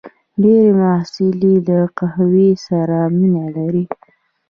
ډېری محصلین له قهوې سره مینه لري.